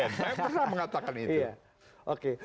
saya pernah mengatakan itu